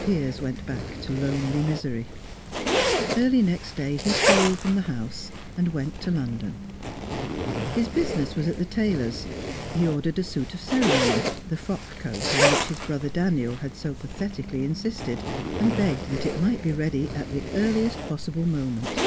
Piers went back to lonely misery. Early next day he stole from the house, and went to London. His business was at the tailor's; he ordered a suit of ceremony the frock coat on which his brother Daniel had so pathetically insisted and begged that it might be ready at the earliest possible moment.